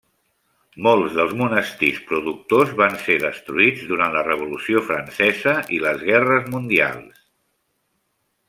Molts dels monestirs productors van ser destruïts durant la Revolució Francesa i les guerres mundials.